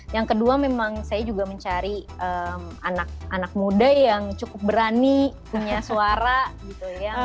yang kedua memang saya juga mencari anak muda yang cukup berani punya suara gitu ya